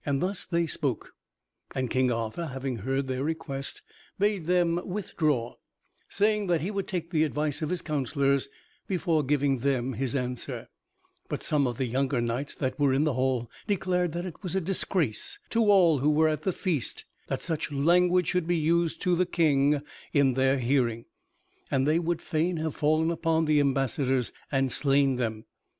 Thus they spoke, and King Arthur having heard their request, bade them withdraw, saying that he would take the advice of his counselors before giving them his answer; but some of the younger knights that were in the hall declared that it was a disgrace to all who were at the feast that such language should be used to the King in their hearing, and they would fain have fallen upon the ambassadors and slain them.